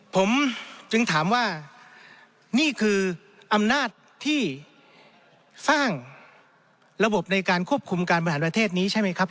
ผมจึงถามว่านี่คืออำนาจที่สร้างระบบในการควบคุมการบริหารประเทศนี้ใช่ไหมครับ